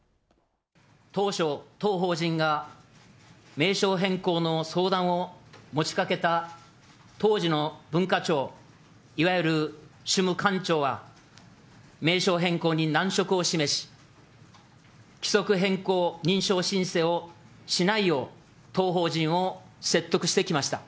当初、当法人が名称変更の相談を持ちかけた当時の文化庁、いわゆる主務官庁は、名称変更に難色を示し、規則変更認証申請をしないよう、当法人を説得してきました。